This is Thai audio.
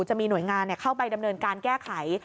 จะมีหน่วยงานเข้าไปดำเนินการแก้ไข